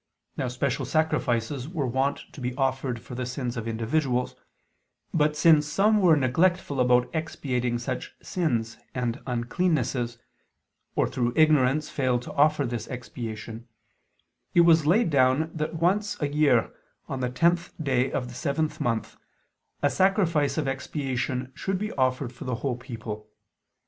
Now special sacrifices were wont to be offered for the sins of individuals: but since some were neglectful about expiating such sins and uncleannesses; or, through ignorance, failed to offer this expiation; it was laid down that once a year, on the tenth day of the seventh month, a sacrifice of expiation should be offered for the whole people.